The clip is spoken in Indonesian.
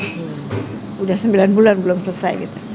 sudah sembilan bulan belum selesai gitu